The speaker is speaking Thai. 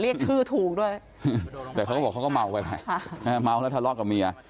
เรียกชื่อถูกด้วยแต่เขาก็บอกเขาก็เมาไปแล้วเมาแล้วทะเลาะกับเมีย